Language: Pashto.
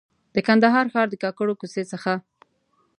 د کندهار ښار د کاکړو کوڅې څخه.